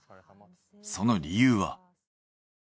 その理由は。